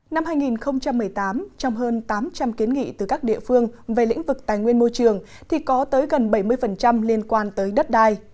năm hai nghìn một mươi tám trong hơn tám trăm linh kiến nghị từ các địa phương về lĩnh vực tài nguyên môi trường thì có tới gần bảy mươi liên quan tới đất đai